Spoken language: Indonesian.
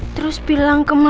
terus bilang ke mas al